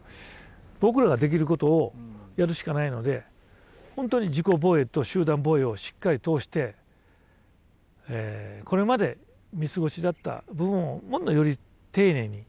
僕らができることをやるしかないので本当に自己防衛と集団防衛をしっかり通してこれまで見過ごしだった部分をもっとより丁寧に。